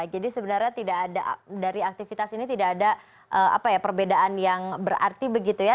jadi sebenarnya dari aktivitas ini tidak ada perbedaan yang berarti begitu ya